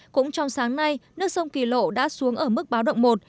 cũng trong sáng nay nước sông kỳ lộ đã xuống ở mức báo động một